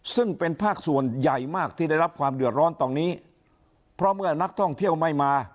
ซึ่งเป็นภาคส่วนใหญ่มากที่ได้รับความเดือดร้อนตรงนี้เพราะเมื่อนักท่องเที่ยวไม่มา